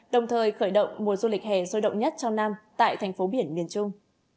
đồng thời khởi động mùa du lịch hè sôi động nhất trong năm tại thành phố biển miền trung